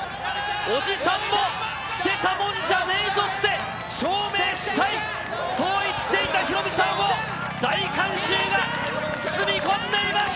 おじさんも捨てたもんじゃねえぞって証明したい、そう言っていたヒロミさんを、大観衆が包み込んでいます。